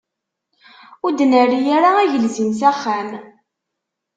Ur d-nerri ara agelzim s axxam.